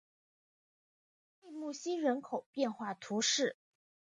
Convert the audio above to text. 利穆西人口变化图示